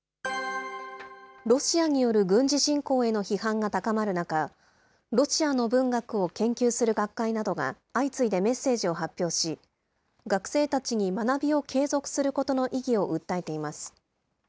ロシアによる軍事侵攻への批判が高まる中、ロシアの文学を研究する学会などが相次いでメッセージを発表し、学生たちに学びを継続することの意義を訴えています。